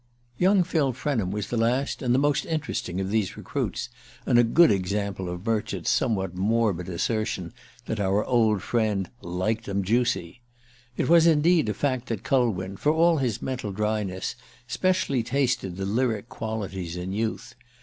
Young Phil Frenham was the last, and the most interesting, of these recruits, and a good example of Murchard's somewhat morbid assertion that our old friend "liked 'em juicy." It was indeed a fact that Culwin, for all his mental dryness, specially tasted the lyric qualities in youth.